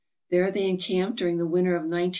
There they encamped during the winter of 1908 09.